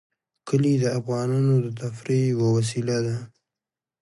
کلي د افغانانو د تفریح یوه وسیله ده.